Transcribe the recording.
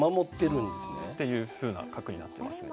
っていうふうな角になってますね。